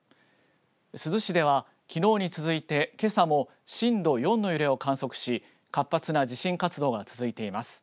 珠洲市では、きのうに続いてけさも震度４の揺れを観測し活発な地震活動が続いています。